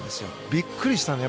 びっくりしたんです。